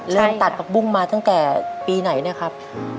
ใช่ค่ะเริ่มตัดผักบุ้งมาตั้งแต่ปีไหนเนี่ยครับ